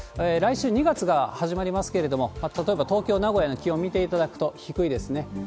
来週２月が始まりますけれども、例えば東京、名古屋の気温見ていただくと、低いですね。